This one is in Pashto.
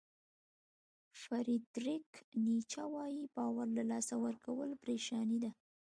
فریدریک نیچه وایي باور له لاسه ورکول پریشاني ده.